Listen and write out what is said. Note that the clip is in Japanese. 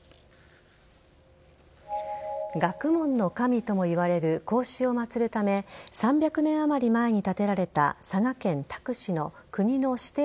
学問の神ともいわれる孔子を祭るため３００年あまり前に建てられた佐賀県多久市の国の指定